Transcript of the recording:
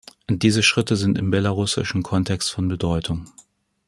Diese Schritte sind im belarussischen Kontext von Bedeutung.